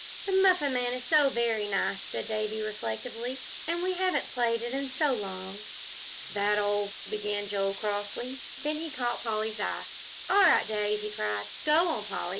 "The Muffin Man is so very nice," said Davie, reflectively, "and we haven't played it in so long." "That old " began Joel, crossly. Then he caught Polly's eye. "All right, Dave," he cried. "Go on, Polly.